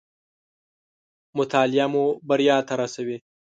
مطالعه مو بريا ته راسوي